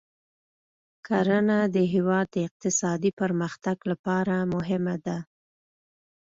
کرنه د هېواد د اقتصادي پرمختګ لپاره مهمه ده.